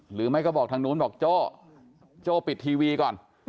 หรือไม่ก็บอกทางนู้นบอกโจ้โจ้ปิดทีวีก่อน